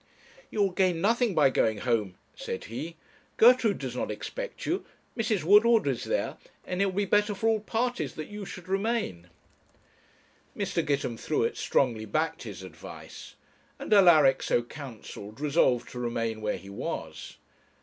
'You will gain nothing by going home,' said he; 'Gertrude does not expect you; Mrs. Woodward is there; and it will be better for all parties that you should remain.' Mr. Gitemthruet strongly backed his advice, and Alaric, so counselled, resolved to remain where he was.